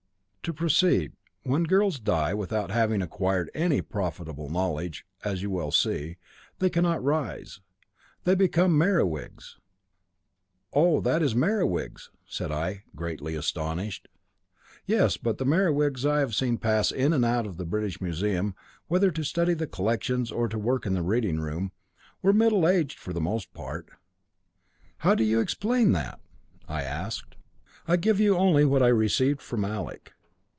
To proceed. When girls die, without having acquired any profitable knowledge, as you well see, they cannot rise. They become Merewigs." "Oh, that is Merewigs," said I, greatly astonished. "Yes, but the Merewigs I had seen pass in and out of the British Museum, whether to study the collections or to work in the reading room, were middle aged for the most part." "How do you explain that?" I asked. "I give you only what I received from Alec.